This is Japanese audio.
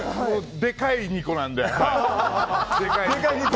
でかい２個なので。